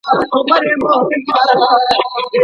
کله باید موږ یوازي پر خپلو پرله پسي هڅو تکیه وکړو؟